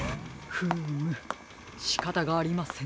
フームしかたがありませんね。